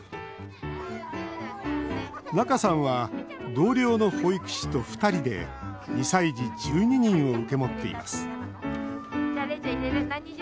仲さんは同僚の保育士と２人で２歳児１２人を受け持っています。